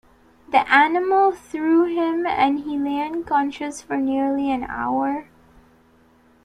The animal threw him and he lay unconscious for nearly an hour.